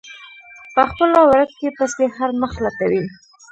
په خپله ورکې پسې هر مخ لټوي.